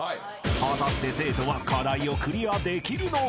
［果たして生徒は課題をクリアできるのか？］